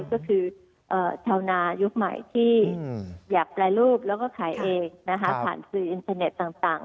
ก็คือชาวนายุคใหม่ที่อยากแปรรูปแล้วก็ขายเองนะคะผ่านสื่ออินเทอร์เน็ตต่าง